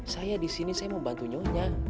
saya disini saya mau bantu nyonya